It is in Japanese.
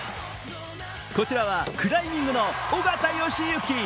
こちらはクライミングの緒方良行。